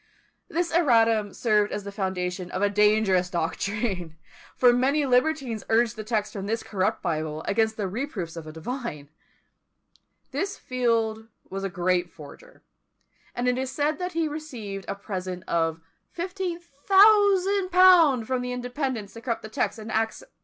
This erratum served as the foundation of a dangerous doctrine; for many libertines urged the text from this corrupt Bible against the reproofs of a divine. This Field was a great forger; and it is said that he received a present of 1500_l._ from the Independents to corrupt a text in Acts vi.